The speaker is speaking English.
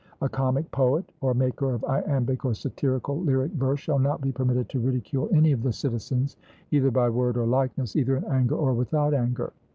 A comic poet, or maker of iambic or satirical lyric verse, shall not be permitted to ridicule any of the citizens, either by word or likeness, either in anger or without anger.